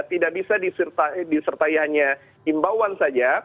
tidak bisa disertai hanya imbauan saja